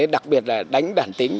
đặc biệt là đánh đàn tính